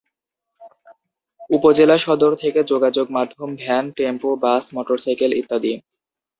উপজেলা সদর থেকে যোগাযোগ মাধ্যম ভ্যান, টেম্পু, বাস, মোটরসাইকেল ইত্যাদি।